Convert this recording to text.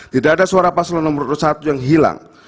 tidak ada suara paslon nomor satu yang hilang